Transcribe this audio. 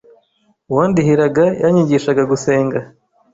uwandihiraga yanyigishaga gusenga